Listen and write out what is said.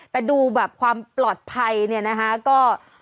แต่ดูแบบความปลอดภัยเนี่ยนะคะก็